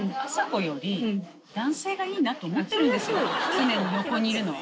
常に横にいるのは。